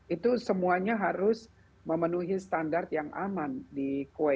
itu semuanya harus memenuhi standar yang terhadap kebutuhan